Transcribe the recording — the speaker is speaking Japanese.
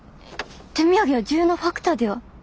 手土産は重要なファクターでは？